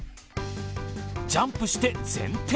ジャンプして前転！